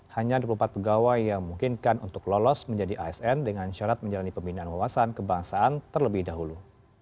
hanya dua puluh empat pegawai yang memungkinkan untuk lolos menjadi asn dengan syarat menjalani pembinaan wawasan kebangsaan terlebih dahulu